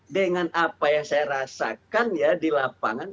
dengan apa yang saya rasakan ya di lapangan